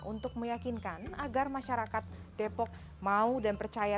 untuk meyakinkan agar masyarakat depok mau dan percaya